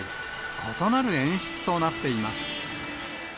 異なる演出となっています。